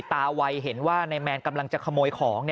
ตาวัยเห็นว่านายแมนกำลังจะขโมยของ